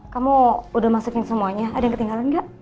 kamu udah masukin semuanya ada yang ketinggalan gak